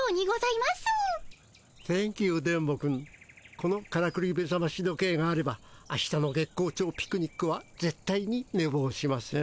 このからくりめざまし時計があればあしたの月光町ピクニックはぜっ対にねぼうしません。